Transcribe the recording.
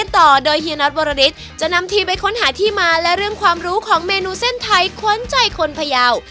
ต่อมาเรื่องความรู้ของเมนูเส้นไทขวนใจคนพยาว